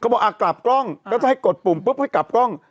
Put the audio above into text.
บอกอ่ะกลับกล้องก็จะให้กดปุ่มปุ๊บให้กลับกล้อง